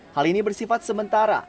hal ini bersifat sementara